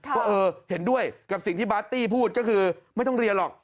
ว่าเออเห็นด้วยกับสิ่งที่บาร์ตตี้พูดก็คือไม่ต้องเรียนหรอก